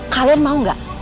kalian mau gak